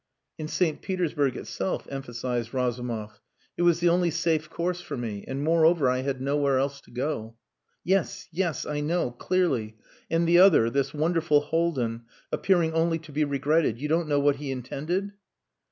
"In St. Petersburg itself," emphasized Razumov. "It was the only safe course for me. And, moreover, I had nowhere else to go." "Yes! Yes! I know. Clearly. And the other this wonderful Haldin appearing only to be regretted you don't know what he intended?"